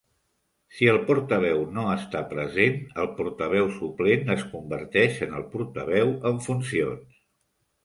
Si el portaveu no està present, el portaveu suplent es converteix en el portaveu en funcions.